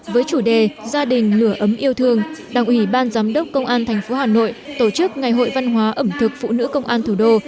với chủ đề gia đình lửa ấm yêu thương đảng ủy ban giám đốc công an tp hà nội tổ chức ngày hội văn hóa ẩm thực phụ nữ công an thủ đô